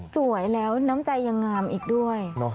สวยแล้วน้ำใจยังงามอีกด้วย